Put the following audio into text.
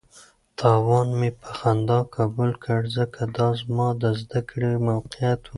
تاوان مې په خندا قبول کړ ځکه دا زما د زده کړې قیمت و.